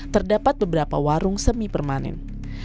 terdapat beberapa warung semi permanen